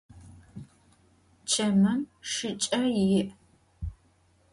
Çemım şşç'e yi'.